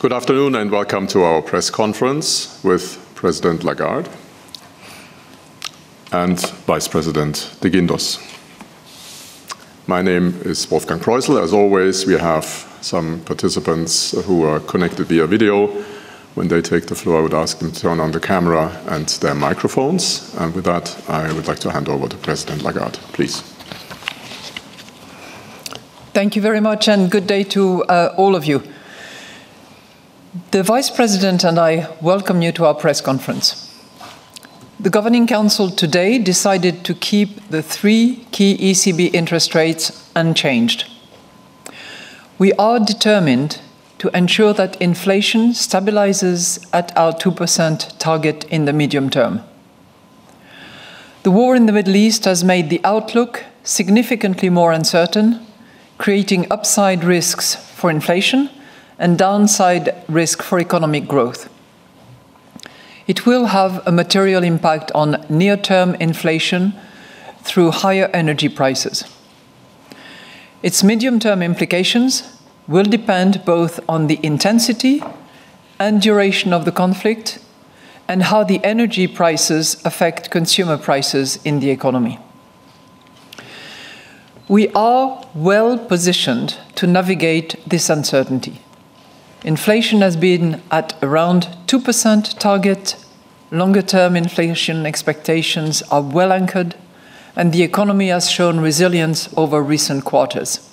Good afternoon, and welcome to our press conference with President Lagarde and Vice President de Guindos. My name is Wolfgang Proissl. As always, we have some participants who are connected via video. When they take the floor, I would ask them to turn on the camera and their microphones. With that, I would like to hand over to President Lagarde please. Thank you very much, and good day to all of you. The Vice President and I welcome you to our press conference. The Governing Council today decided to keep the three key ECB interest rates unchanged. We are determined to ensure that inflation stabilizes at our 2% target in the medium term. The war in the Middle East has made the outlook significantly more uncertain, creating upside risks for inflation and downside risk for economic growth. It will have a material impact on near-term inflation through higher energy prices. Its medium-term implications will depend both on the intensity and duration of the conflict and how the energy prices affect consumer prices in the economy. We are well-positioned to navigate this uncertainty. Inflation has been at around 2% target. Longer-term inflation expectations are well anchored, and the economy has shown resilience over recent quarters.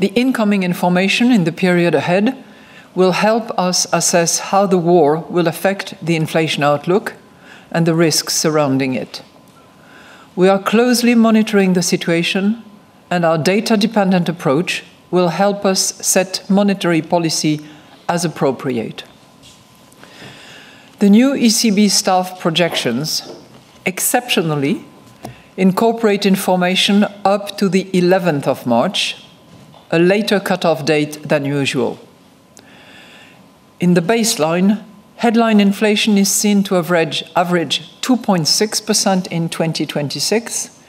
The incoming information in the period ahead will help us assess how the war will affect the inflation outlook and the risks surrounding it. We are closely monitoring the situation, and our data-dependent approach will help us set monetary policy as appropriate. The new ECB staff projections exceptionally incorporate information up to the 11th of March, a later cutoff date than usual. In the baseline, headline inflation is seen to average 2.6% in 2026,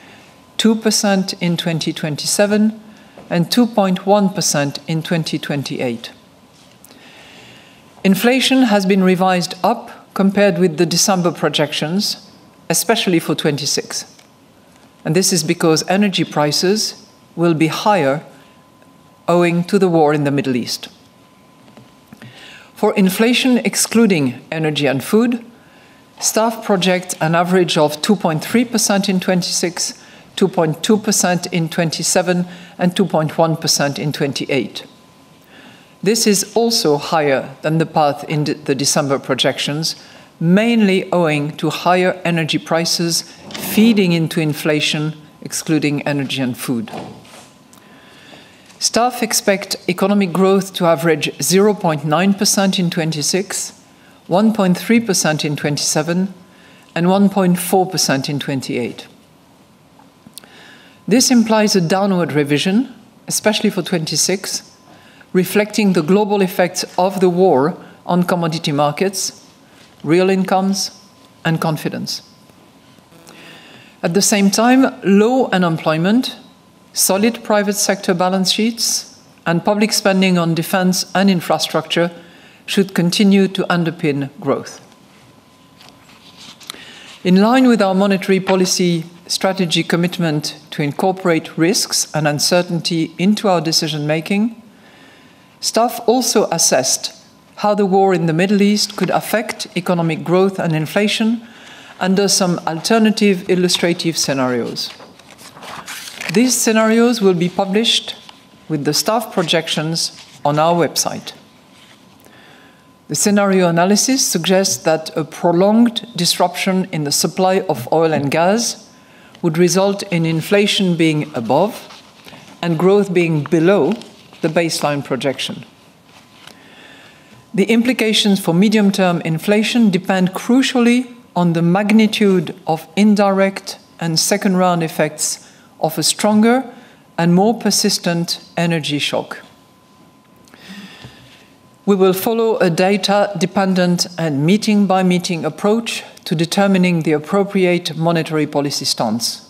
2% in 2027, and 2.1% in 2028. Inflation has been revised up compared with the December projections, especially for 2026, and this is because energy prices will be higher owing to the war in the Middle East. For inflation, excluding energy and food, staff project an average of 2.3% in 2026, 2.2% in 2027, and 2.1% in 2028. This is also higher than the path in the December projections, mainly owing to higher energy prices feeding into inflation, excluding energy and food. Staff expect economic growth to average 0.9% in 2026, 1.3% in 2027, and 1.4% in 2028. This implies a downward revision, especially for 2026, reflecting the global effects of the war on commodity markets, real incomes, and confidence. At the same time, low unemployment, solid private sector balance sheets, and public spending on defense and infrastructure should continue to underpin growth. In line with our monetary policy strategy commitment to incorporate risks and uncertainty into our decision-making, staff also assessed how the war in the Middle East could affect economic growth and inflation under some alternative illustrative scenarios. These scenarios will be published with the staff projections on our website. The scenario analysis suggests that a prolonged disruption in the supply of oil and gas would result in inflation being above and growth being below the baseline projection. The implications for medium-term inflation depend crucially on the magnitude of indirect and second-round effects of a stronger and more persistent energy shock. We will follow a data-dependent and meeting-by-meeting approach to determining the appropriate monetary policy stance.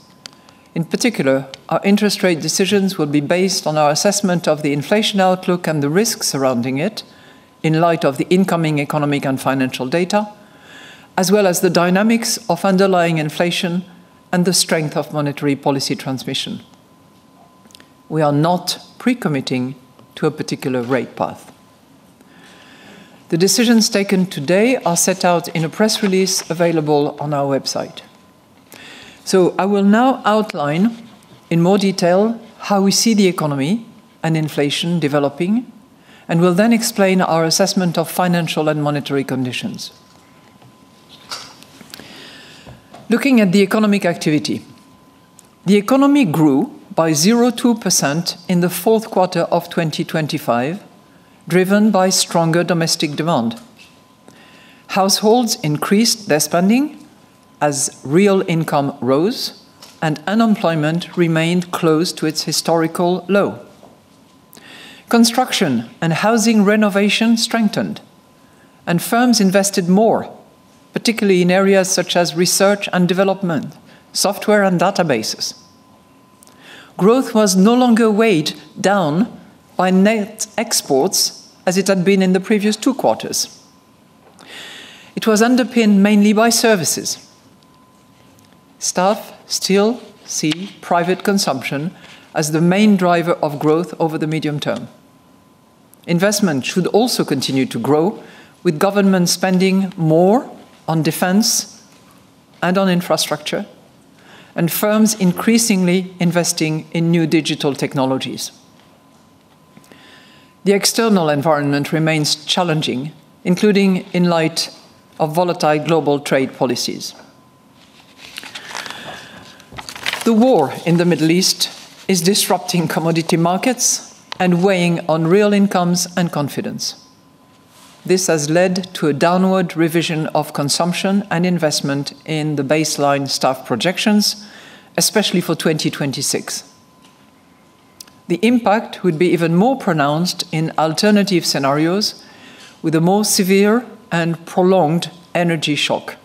In particular, our interest rate decisions will be based on our assessment of the inflation outlook and the risks surrounding it in light of the incoming economic and financial data, as well as the dynamics of underlying inflation and the strength of monetary policy transmission. We are not pre-committing to a particular rate path. The decisions taken today are set out in a press release available on our website. I will now outline in more detail how we see the economy and inflation developing and will then explain our assessment of financial and monetary conditions. Looking at the economic activity, the economy grew by 0.2% in the fourth quarter of 2025, driven by stronger domestic demand. Households increased their spending as real income rose and unemployment remained close to its historical low. Construction and housing renovation strengthened, and firms invested more, particularly in areas such as research and development, software and databases. Growth was no longer weighed down by net exports as it had been in the previous two quarters. It was underpinned mainly by services. Staff still see private consumption as the main driver of growth over the medium term. Investment should also continue to grow with government spending more on defense and on infrastructure and firms increasingly investing in new digital technologies. The external environment remains challenging, including in light of volatile global trade policies. The war in the Middle East is disrupting commodity markets and weighing on real incomes and confidence. This has led to a downward revision of consumption and investment in the baseline staff projections, especially for 2026. The impact would be even more pronounced in alternative scenarios with a more severe and prolonged energy shock.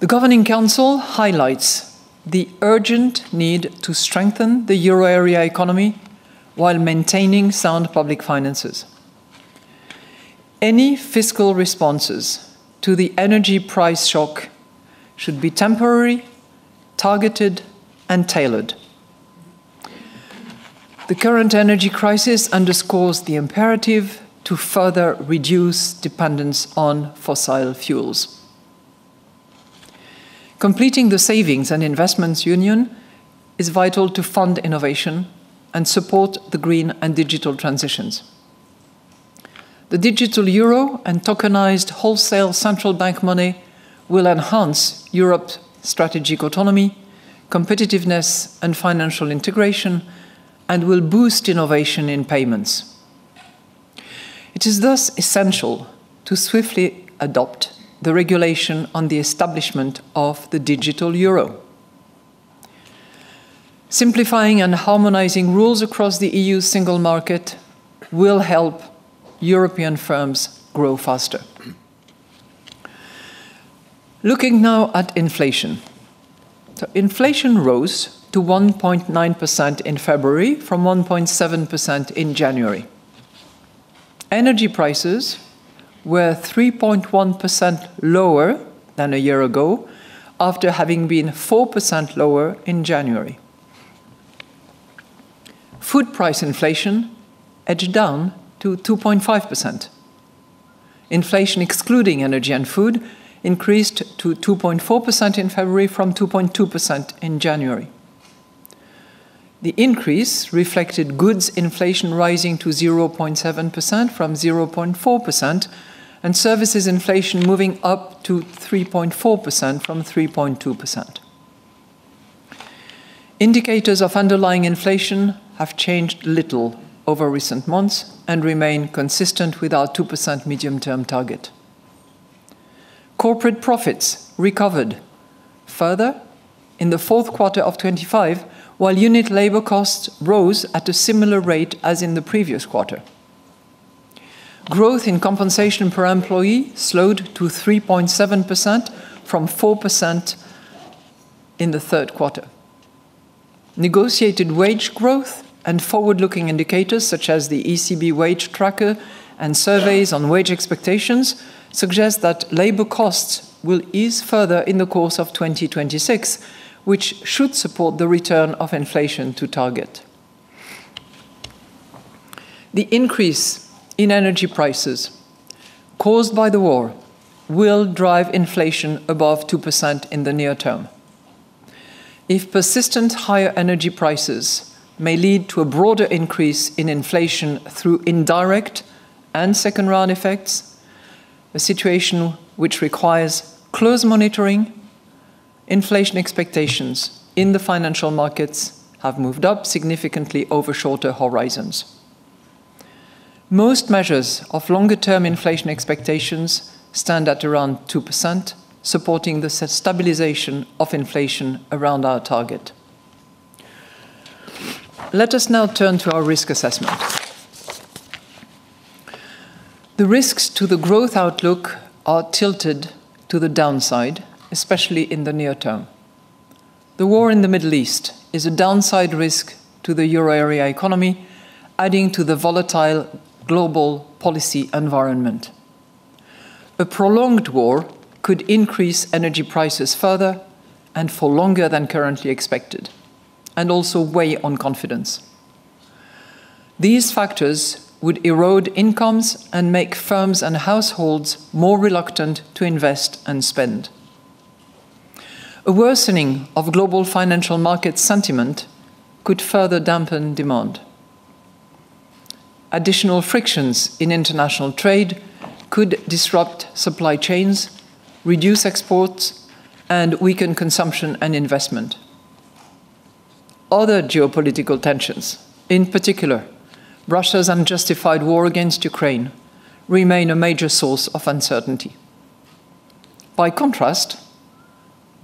The Governing Council highlights the urgent need to strengthen the euro area economy while maintaining sound public finances. Any fiscal responses to the energy price shock should be temporary, targeted, and tailored. The current energy crisis underscores the imperative to further reduce dependence on fossil fuels. Completing the Savings and Investments Union is vital to fund innovation and support the green and digital transitions. The digital euro and tokenized wholesale central bank money will enhance Europe's strategic autonomy, competitiveness, and financial integration and will boost innovation in payments. It is thus essential to swiftly adopt the regulation on the establishment of the digital euro. Simplifying and harmonizing rules across the E.U. Single Market will help European firms grow faster. Looking now at inflation. Inflation rose to 1.9% in February from 1.7% in January. Energy prices were 3.1% lower than a year ago after having been 4% lower in January. Food price inflation edged down to 2.5%. Inflation excluding energy and food increased to 2.4% in February from 2.2% in January. The increase reflected goods inflation rising to 0.7% from 0.4% and services inflation moving up to 3.4% from 3.2%. Indicators of underlying inflation have changed little over recent months and remain consistent with our 2% medium-term target. Corporate profits recovered further in the fourth quarter of 2025, while unit labor costs rose at a similar rate as in the previous quarter. Growth in compensation per employee slowed to 3.7% from 4% in the third quarter. Negotiated wage growth and forward-looking indicators such as the ECB Wage Tracker and surveys on wage expectations suggest that labor costs will ease further in the course of 2026, which should support the return of inflation to target. The increase in energy prices caused by the war will drive inflation above 2% in the near term. If persistent higher energy prices may lead to a broader increase in inflation through indirect and second-round effects, a situation which requires close monitoring, inflation expectations in the financial markets have moved up significantly over shorter horizons. Most measures of longer-term inflation expectations stand at around 2%, supporting the stabilization of inflation around our target. Let us now turn to our risk assessment. The risks to the growth outlook are tilted to the downside, especially in the near term. The war in the Middle East is a downside risk to the euro area economy, adding to the volatile global policy environment. A prolonged war could increase energy prices further and for longer than currently expected and also weigh on confidence. These factors would erode incomes and make firms and households more reluctant to invest and spend. A worsening of global financial market sentiment could further dampen demand. Additional frictions in international trade could disrupt supply chains, reduce exports, and weaken consumption and investment. Other geopolitical tensions, in particular, Russia's unjustified war against Ukraine, remain a major source of uncertainty. By contrast,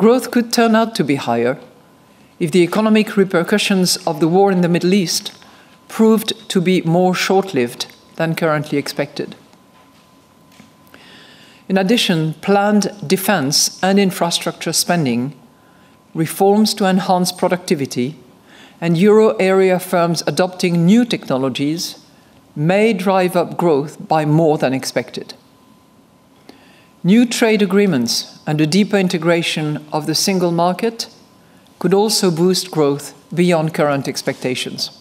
growth could turn out to be higher if the economic repercussions of the war in the Middle East proved to be more short-lived than currently expected. In addition, planned defense and infrastructure spending, reforms to enhance productivity, and euro area firms adopting new technologies may drive up growth by more than expected. New trade agreements and a deeper integration of the Single Market could also boost growth beyond current expectations.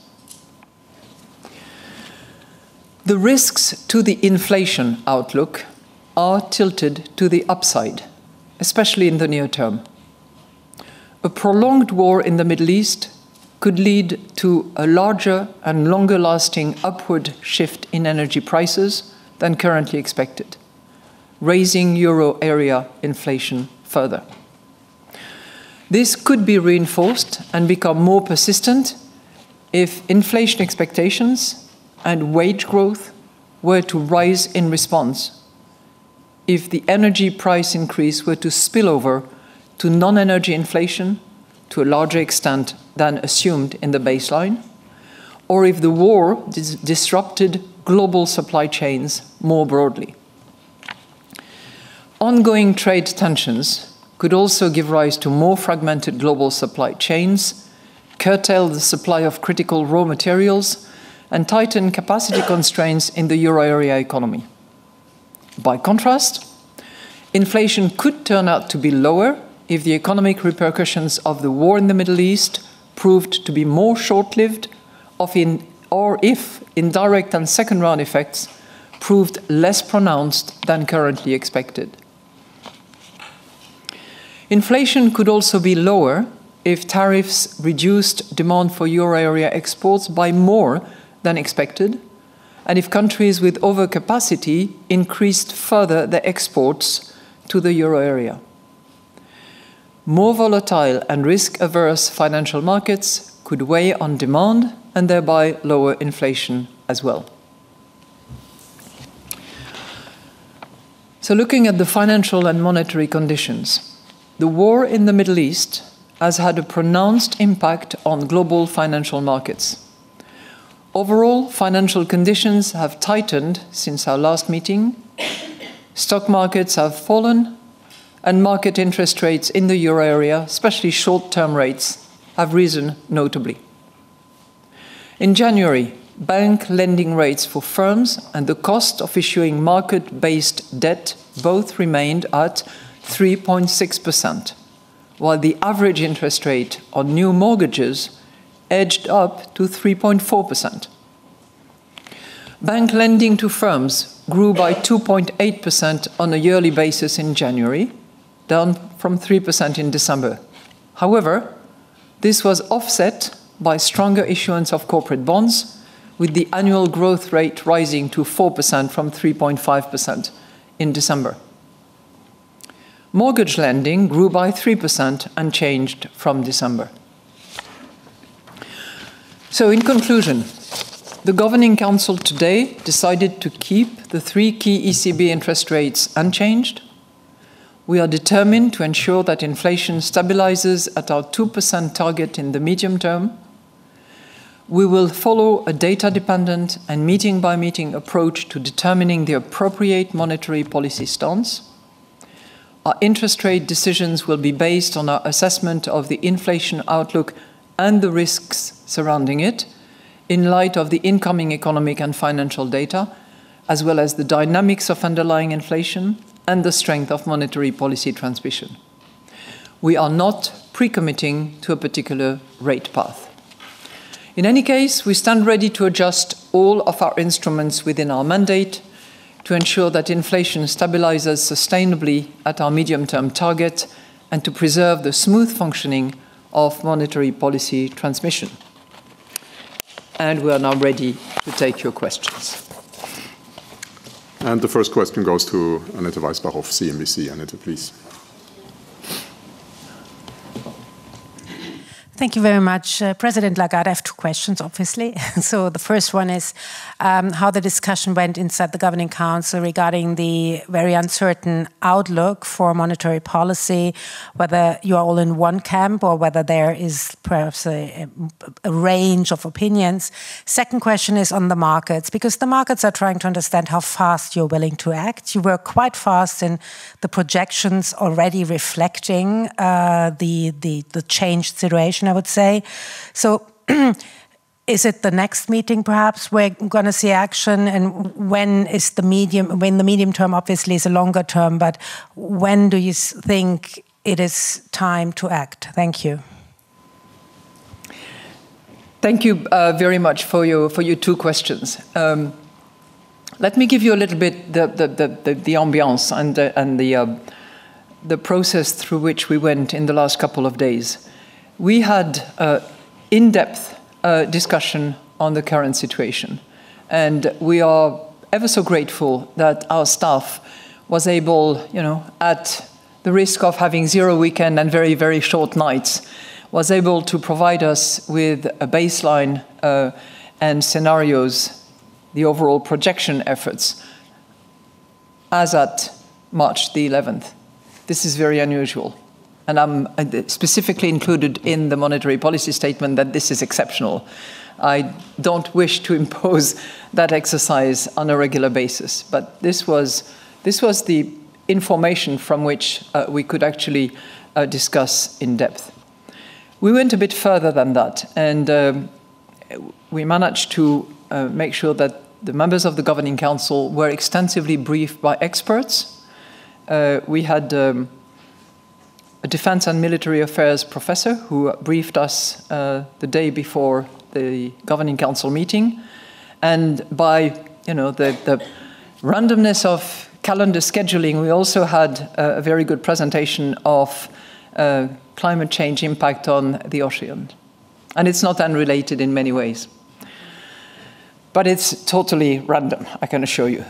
The risks to the inflation outlook are tilted to the upside, especially in the near term. A prolonged war in the Middle East could lead to a larger and longer-lasting upward shift in energy prices than currently expected, raising euro area inflation further. This could be reinforced and become more persistent if inflation expectations and wage growth were to rise in response, if the energy price increase were to spill over to non-energy inflation to a larger extent than assumed in the baseline, or if the war disrupted global supply chains more broadly. Ongoing trade tensions could also give rise to more fragmented global supply chains, curtail the supply of critical raw materials, and tighten capacity constraints in the euro area economy. By contrast, inflation could turn out to be lower if the economic repercussions of the war in the Middle East proved to be more short-lived or if indirect and second-round effects proved less pronounced than currently expected. Inflation could also be lower if tariffs reduced demand for euro area exports by more than expected and if countries with overcapacity increased further the exports to the euro area. More volatile and risk-averse financial markets could weigh on demand and thereby lower inflation as well. Looking at the financial and monetary conditions, the war in the Middle East has had a pronounced impact on global financial markets. Overall, financial conditions have tightened since our last meeting, stock markets have fallen, and market interest rates in the euro area, especially short-term rates, have risen notably. In January, bank lending rates for firms and the cost of issuing market-based debt both remained at 3.6%, while the average interest rate on new mortgages edged up to 3.4%. Bank lending to firms grew by 2.8% on a yearly basis in January, down from 3% in December. However, this was offset by stronger issuance of corporate bonds, with the annual growth rate rising to 4% from 3.5% in December. Mortgage lending grew by 3%, unchanged from December. In conclusion, the Governing Council today decided to keep the three key ECB interest rates unchanged. We are determined to ensure that inflation stabilizes at our 2% target in the medium term. We will follow a data-dependent and meeting-by-meeting approach to determining the appropriate monetary policy stance. Our interest rate decisions will be based on our assessment of the inflation outlook and the risks surrounding it in light of the incoming economic and financial data as well as the dynamics of underlying inflation and the strength of monetary policy transmission. We are not pre-committing to a particular rate path. In any case, we stand ready to adjust all of our instruments within our mandate to ensure that inflation stabilizes sustainably at our medium-term target and to preserve the smooth functioning of monetary policy transmission. We are now ready to take your questions. The first question goes to Annette Weisbach of CNBC. Annette, please. Thank you very much. President Lagarde, I have two questions obviously. The first one is how the discussion went inside the Governing Council regarding the very uncertain outlook for monetary policy, whether you're all in one camp or whether there is perhaps a range of opinions. Second question is on the markets, because the markets are trying to understand how fast you're willing to act. You were quite fast in the projections already reflecting the changed situation, I would say. Is it the next meeting perhaps we're gonna see action? When the medium term obviously is a longer term, but when do you think it is time to act? Thank you. Thank you very much for your two questions. Let me give you a little bit the ambiance and the process through which we went in the last couple of days. We had an in-depth discussion on the current situation, and we are ever so grateful that our staff was able, you know, at the risk of having zero weekend and very short nights, was able to provide us with a baseline and scenarios, the overall projection efforts as at March 11th. This is very unusual, and it specifically included in the monetary policy statement that this is exceptional. I don't wish to impose that exercise on a regular basis. This was the information from which we could actually discuss in depth. We went a bit further than that, and we managed to make sure that the members of the Governing Council were extensively briefed by experts. We had a defense and military affairs professor who briefed us the day before the Governing Council meeting. By you know the randomness of calendar scheduling, we also had a very good presentation of climate change impact on the ocean, and it's not unrelated in many ways. It's totally random, I can assure you.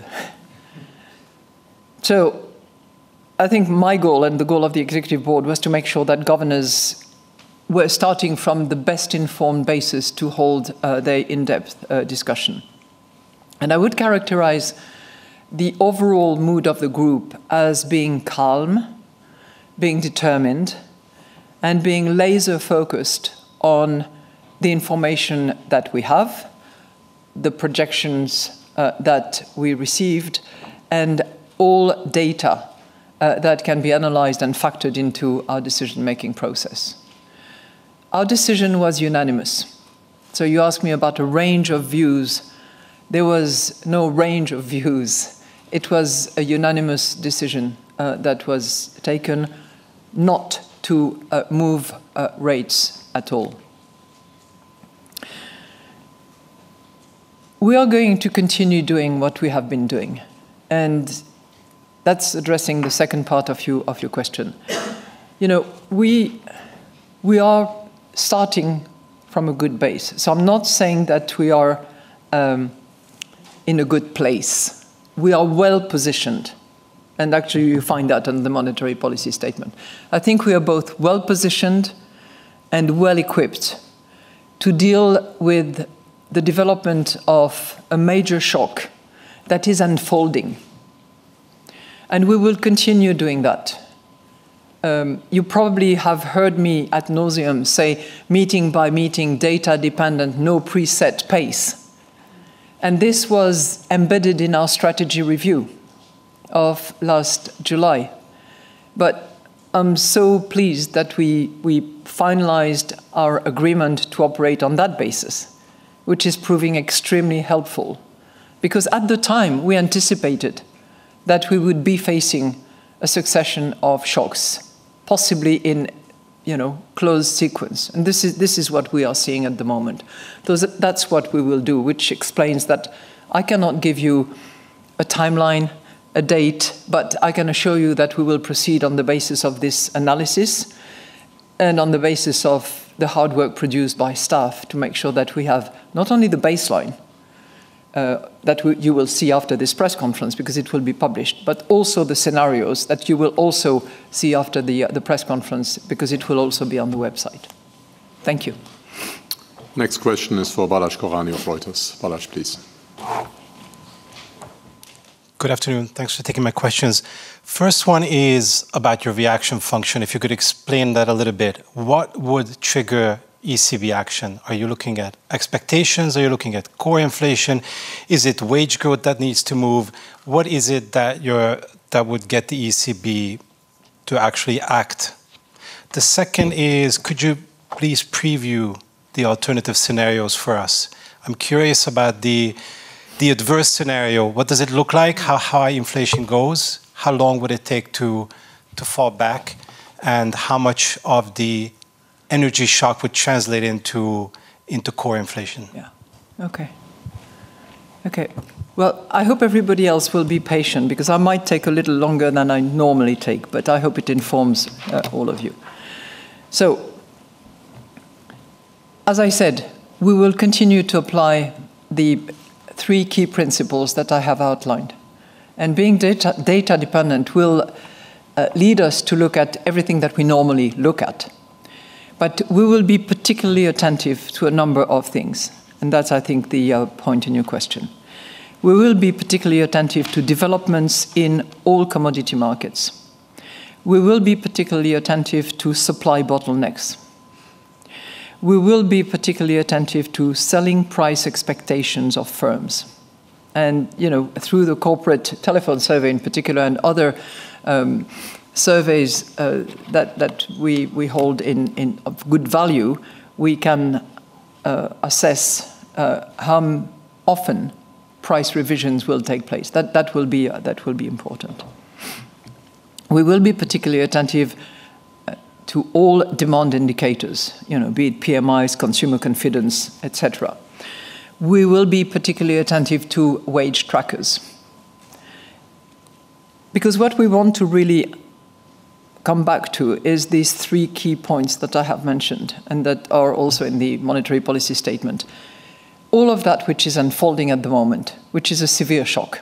I think my goal and the goal of the Executive Board was to make sure that governors were starting from the best-informed basis to hold their in-depth discussion. I would characterize the overall mood of the group as being calm, being determined, and being laser-focused on the information that we have, the projections that we received, and all data that can be analyzed and factored into our decision-making process. Our decision was unanimous. You ask me about a range of views. There was no range of views. It was a unanimous decision that was taken not to move rates at all. We are going to continue doing what we have been doing, and that's addressing the second part of your question. You know, we are starting from a good base, so I'm not saying that we are in a good place. We are well-positioned, and actually you find that in the monetary policy statement. I think we are both well-positioned and well-equipped to deal with the development of a major shock that is unfolding, and we will continue doing that. You probably have heard me ad nauseam say, "Meeting by meeting, data-dependent, no preset pace," and this was embedded in our strategy review of last July. I'm so pleased that we finalized our agreement to operate on that basis, which is proving extremely helpful because at the time we anticipated that we would be facing a succession of shocks, possibly in, you know, close sequence, and this is what we are seeing at the moment. That's what we will do, which explains that I cannot give you a timeline, a date, but I can assure you that we will proceed on the basis of this analysis and on the basis of the hard work produced by staff to make sure that we have not only the baseline, that you will see after this press conference, because it will be published, but also the scenarios that you will also see after the press conference because it will also be on the website. Thank you. Next question is for Balazs Koranyi of Reuters. Balazs, please. Good afternoon. Thanks for taking my questions. First one is about your reaction function, if you could explain that a little bit. What would trigger ECB action? Are you looking at expectations? Are you looking at core inflation? Is it wage growth that needs to move? What is it that would get the ECB to actually act? The second is, could you please preview the alternative scenarios for us? I'm curious about the adverse scenario. What does it look like? How high inflation goes? How long would it take to fall back? And how much of the energy shock would translate into core inflation? Yeah. Okay. Well, I hope everybody else will be patient because I might take a little longer than I normally take, but I hope it informs all of you. As I said, we will continue to apply the three key principles that I have outlined, and being data-dependent will lead us to look at everything that we normally look at. We will be particularly attentive to a number of things, and that's, I think, the point in your question. We will be particularly attentive to developments in all commodity markets. We will be particularly attentive to supply bottlenecks. We will be particularly attentive to selling price expectations of firms, and you know, through the Corporate Telephone Survey in particular and other surveys that we hold in. Of good value, we can assess how often price revisions will take place. That will be important. We will be particularly attentive to all demand indicators, you know, be it PMIs, consumer confidence, et cetera. We will be particularly attentive to wage trackers. Because what we want to really come back to is these three key points that I have mentioned and that are also in the monetary policy statement. All of that which is unfolding at the moment, which is a severe shock,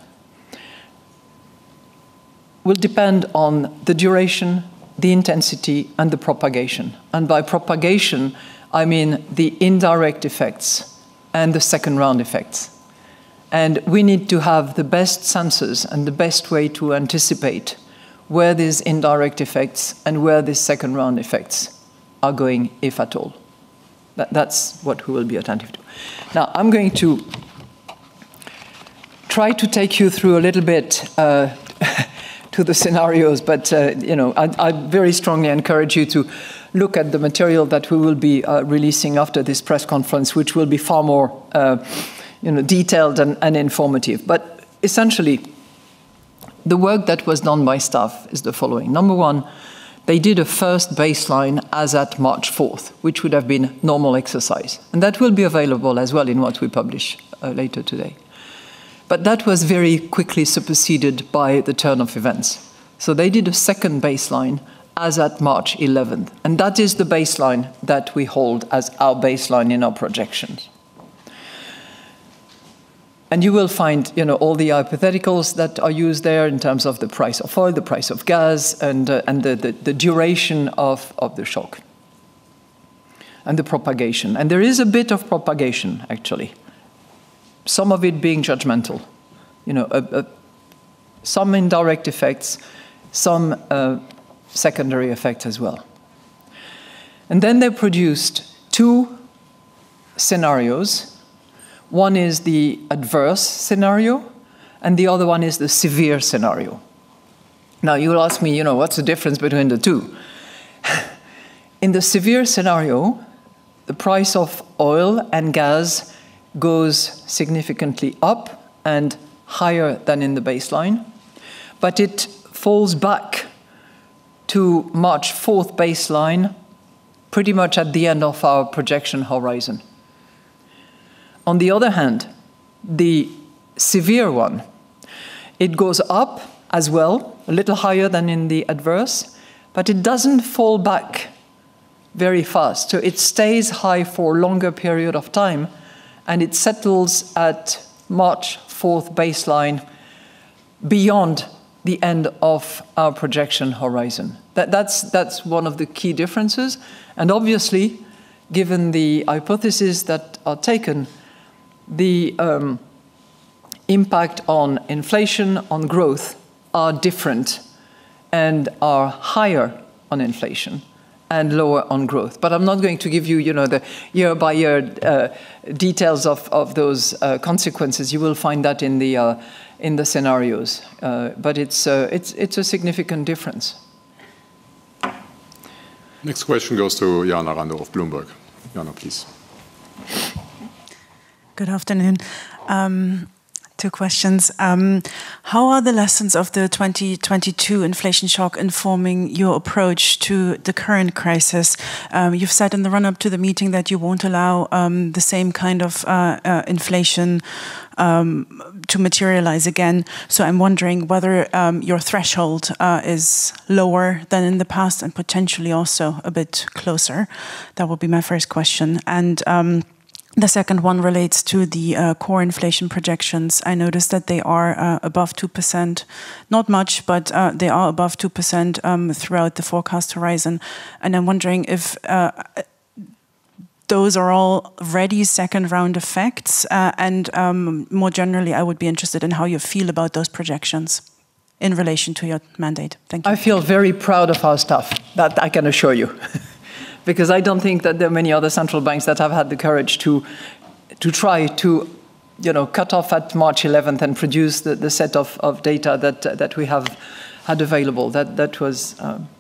will depend on the duration, the intensity, and the propagation, and by propagation, I mean the indirect effects and the second-round effects. We need to have the best sensors and the best way to anticipate where these indirect effects and where the second round effects are going, if at all. That's what we will be attentive to. Now, I'm going to try to take you through a little bit to the scenarios, but you know, I very strongly encourage you to look at the material that we will be releasing after this press conference, which will be far more you know, detailed and informative. Essentially, the work that was done by staff is the following. Number one, they did a first baseline as at March fourth, which would have been normal exercise. That will be available as well in what we publish later today. That was very quickly superseded by the turn of events. They did a second baseline as at March eleventh, and that is the baseline that we hold as our baseline in our projections. You will find all the hypotheticals that are used there in terms of the price of oil, the price of gas, and the duration of the shock and the propagation. There is a bit of propagation actually, some of it being judgmental. Some indirect effects, some secondary effect as well. Then they produced two scenarios. One is the adverse scenario, and the other one is the severe scenario. Now, you'll ask me what's the difference between the two? In the severe scenario, the price of oil and gas goes significantly up and higher than in the baseline, but it falls back to March fourth baseline pretty much at the end of our projection horizon. On the other hand, the severe one, it goes up as well, a little higher than in the adverse, but it doesn't fall back very fast. It stays high for a longer period of time, and it settles at March 2024 baseline beyond the end of our projection horizon. That's one of the key differences. Obviously, given the hypothesis that are taken, the impact on inflation, on growth are different, and are higher on inflation and lower on growth. I'm not going to give you know, the year-by-year details of those consequences. You will find that in the scenarios. It's a significant difference. Next question goes to Jana Randow of Bloomberg. Jana, please. Good afternoon. Two questions. How are the lessons of the 2022 inflation shock informing your approach to the current crisis? You've said in the run-up to the meeting that you won't allow the same kind of inflation to materialize again. I'm wondering whether your threshold is lower than in the past and potentially also a bit closer. That would be my first question. The second one relates to the core inflation projections. I noticed that they are above 2%, not much, but they are above 2% throughout the forecast horizon, and I'm wondering if those are already second round effects. More generally, I would be interested in how you feel about those projections in relation to your mandate. Thank you. I feel very proud of our staff, that I can assure you because I don't think that there are many other central banks that have had the courage to try to, you know, cut off at March 11 and produce the set of data that we have had available. That was,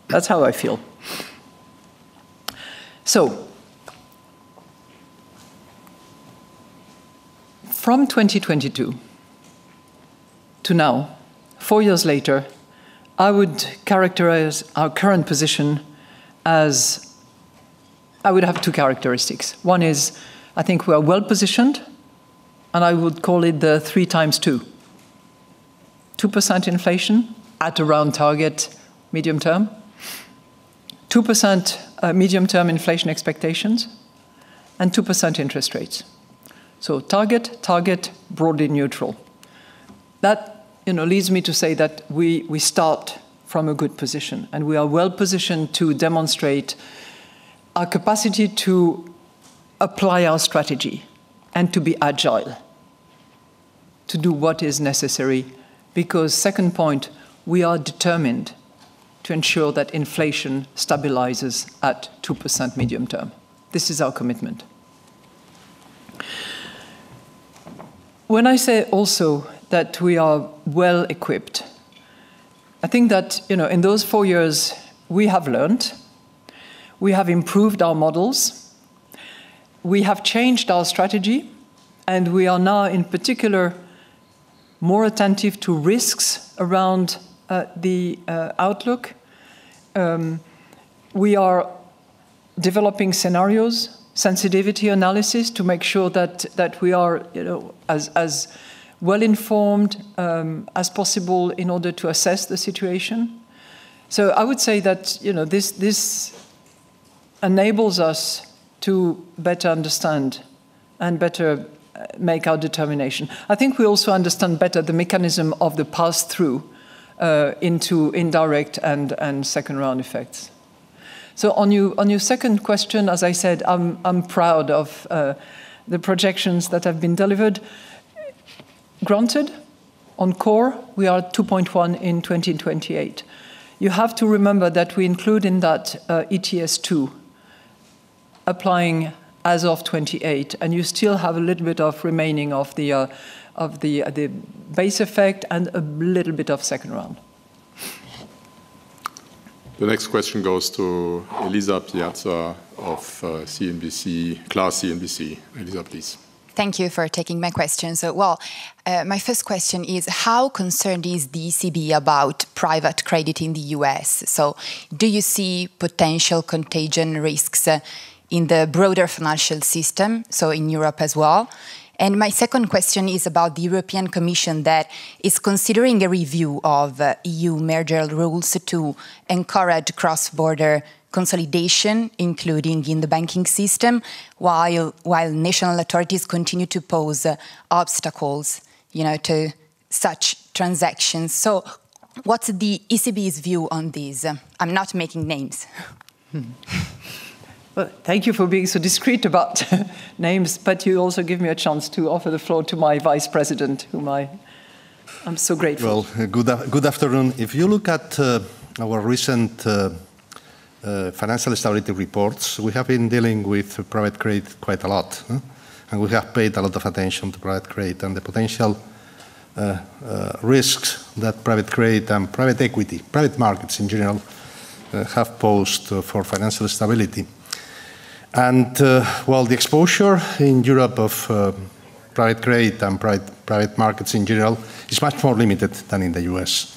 that's how I feel. From 2022 to now, 4 years later, I would characterize our current position as. I would have two characteristics. One is, I think we are well-positioned, and I would call it the three times two. 2% inflation at around target medium term, 2% medium-term inflation expectations, and 2% interest rates. Target broadly neutral. That leads me to say that we start from a good position, and we are well-positioned to demonstrate our capacity to apply our strategy and to be agile, to do what is necessary, because second point, we are determined to ensure that inflation stabilizes at 2% medium term. This is our commitment. When I say also that we are well-equipped, I think that, you know, in those 4 years, we have learned, we have improved our models, we have changed our strategy, and we are now, in particular, more attentive to risks around the outlook. We are developing scenarios, sensitivity analysis to make sure that we are, you know, as well-informed as possible in order to assess the situation. I would say that, you know, this enables us to better understand and better make our determination. I think we also understand better the mechanism of the pass-through into indirect and second round effects. On your second question, as I said, I'm proud of the projections that have been delivered. Granted on core, we are at 2.1 in 2028. You have to remember that we include in that ETS 2, applying as of 2028, and you still have a little bit of remaining of the base effect and a little bit of second round. The next question goes to Elisa Piazza of CNBC, Class CNBC. Elisa, please. Thank you for taking my question. Well, my first question is how concerned is the ECB about private credit in the U.S.? Do you see potential contagion risks in the broader financial system, so in Europe as well? My second question is about the European Commission that is considering a review of E.U. merger rules to encourage cross-border consolidation, including in the banking system, while national authorities continue to pose obstacles, you know, to such transactions. What's the ECB's view on these? I'm not naming names. Well, thank you for being so discreet about names, but you also give me a chance to offer the floor to my Vice President, whom I'm so grateful. Well, good afternoon. If you look at our recent financial stability reports, we have been dealing with private credit quite a lot. We have paid a lot of attention to private credit and the potential risks that private credit and private equity, private markets in general, have posed for financial stability. While the exposure in Europe of private credit and private markets in general is much more limited than in the U.S.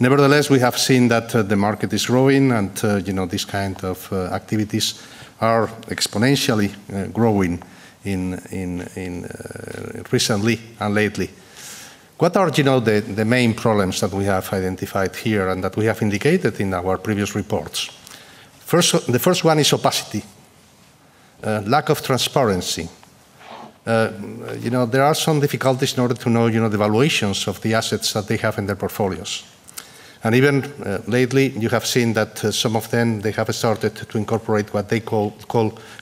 Nevertheless, we have seen that the market is growing and, you know, these kind of activities are exponentially growing recently and lately. What are, you know, the main problems that we have identified here and that we have indicated in our previous reports? First. The first one is opacity, lack of transparency. You know, there are some difficulties in order to know, you know, the valuations of the assets that they have in their portfolios. Even lately, you have seen that some of them they have started to incorporate what they call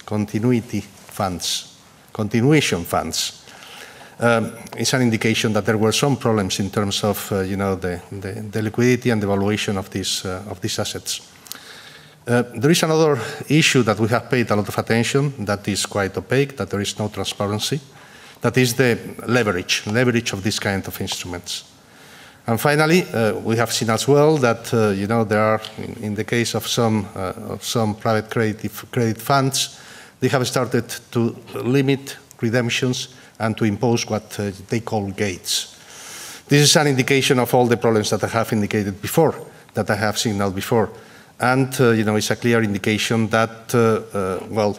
continuation funds. It's an indication that there were some problems in terms of, you know, the liquidity and the valuation of these assets. There is another issue that we have paid a lot of attention that is quite opaque, that there is no transparency. That is the leverage of these kind of instruments. Finally, we have seen as well that, you know, there are in the case of some private credit funds, they have started to limit redemptions and to impose what they call gates. This is an indication of all the problems that I have indicated before, that I have seen now before. You know, it's a clear indication that, well,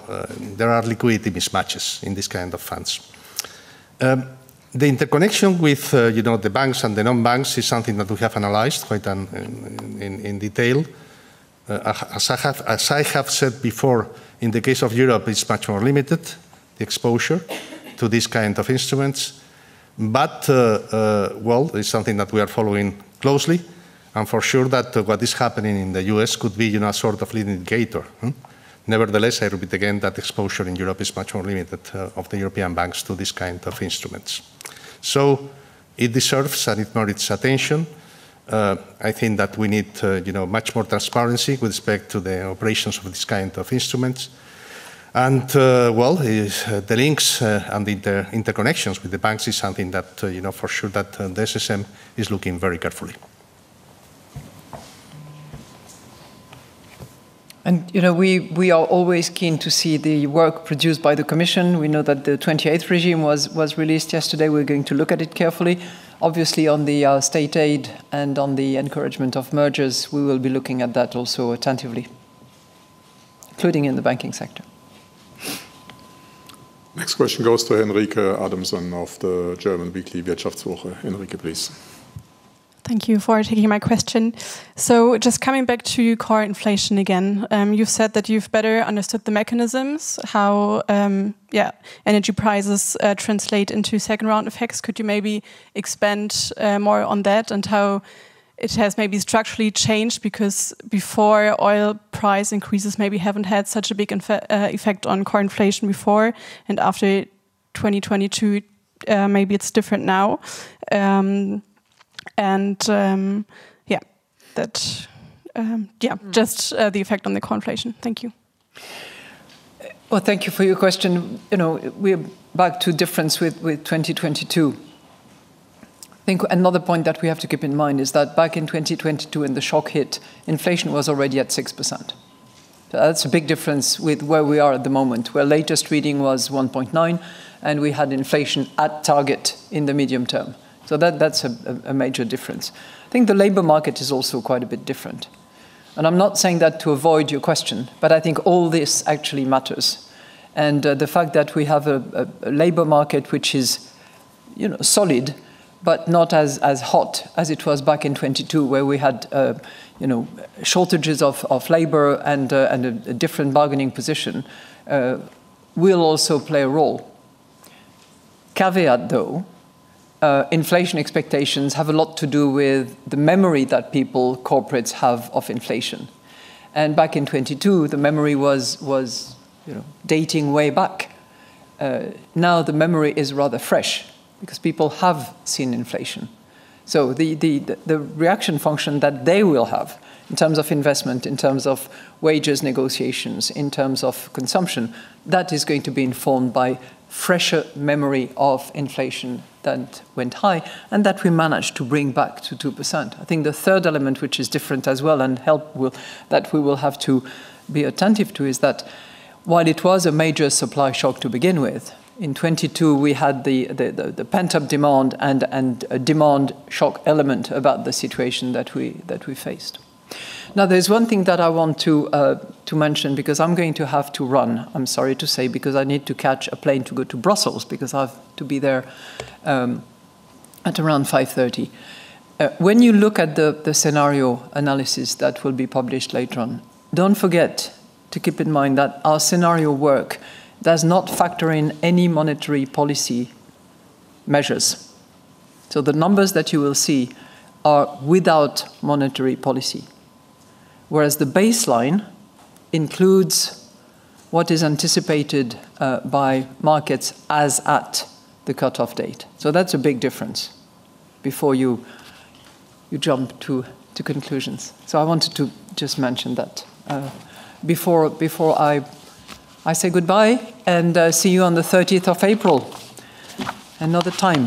there are liquidity mismatches in these kind of funds. The interconnection with, you know, the banks and the non-banks is something that we have analyzed quite in detail. As I have said before, in the case of Europe, it's much more limited, the exposure to these kind of instruments. Well, it's something that we are following closely. For sure that what is happening in the U.S. could be, you know, a sort of leading indicator. Nevertheless, I repeat again that exposure in Europe is much more limited of the European banks to these kind of instruments. It deserves and it merits attention. I think that we need, you know, much more transparency with respect to the operations of this kind of instruments. Well, the links and the interconnections with the banks is something that, you know, for sure that the SSM is looking very carefully. You know, we are always keen to see the work produced by the commission. We know that the 28 regime was released yesterday. We're going to look at it carefully. Obviously, on the state aid and on the encouragement of mergers, we will be looking at that also attentively, including in the banking sector. Next question goes to Enrique Adamson of the German weekly, WirtschaftsWoche. Enrique, please. Thank you for taking my question. Just coming back to core inflation again, you've said that you've better understood the mechanisms, how energy prices translate into second round effects. Could you maybe expand more on that and how it has maybe structurally changed? Because before, oil price increases maybe haven't had such a big effect on core inflation before, and after 2022, maybe it's different now. And the effect on the core inflation. Thank you. Well, thank you for your question. You know, we're back to difference with 2022. I think another point that we have to keep in mind is that back in 2022 when the shock hit, inflation was already at 6%. That's a big difference with where we are at the moment, where latest reading was 1.9%, and we had inflation at target in the medium term. That's a major difference. I think the labor market is also quite a bit different. I'm not saying that to avoid your question, but I think all this actually matters. The fact that we have a labor market which is you know solid but not as hot as it was back in 2022, where we had you know shortages of labor and a different bargaining position will also play a role. Caveat, though, inflation expectations have a lot to do with the memory that people, corporates have of inflation. Back in 2022, the memory was you know dating way back. Now the memory is rather fresh because people have seen inflation. The reaction function that they will have in terms of investment, in terms of wages negotiations, in terms of consumption, that is going to be informed by fresher memory of inflation that went high and that we managed to bring back to 2%. I think the third element, which is different as well, that we will have to be attentive to, is that while it was a major supply shock to begin with, in 2022, we had the pent-up demand and a demand shock element about the situation that we faced. Now, there's one thing that I want to mention because I'm going to have to run. I'm sorry to say, because I need to catch a plane to go to Brussels because I have to be there at around 5:30 P.M. When you look at the scenario analysis that will be published later on, don't forget to keep in mind that our scenario work does not factor in any monetary policy measures. The numbers that you will see are without monetary policy, whereas the baseline includes what is anticipated by markets as at the cutoff date. That's a big difference before you jump to conclusions. I wanted to just mention that before I say goodbye, and see you on the 30th of April, another time.